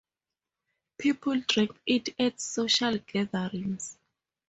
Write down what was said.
People drank it at social gatherings.